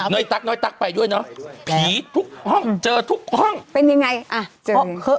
ตั๊กน้อยตั๊กไปด้วยเนอะผีทุกห้องเจอทุกห้องเป็นยังไงอ่ะ